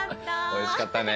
おいしかったね。